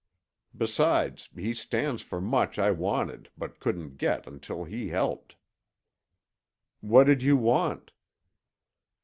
Besides, he stands for much I wanted but couldn't get until he helped." "What did you want?"